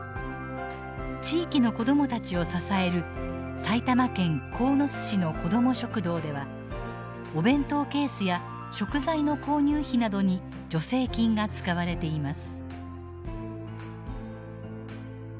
地域の子どもたちを支える埼玉県鴻巣市の子ども食堂ではお弁当ケースや食材の購入費などに助成金が使われています。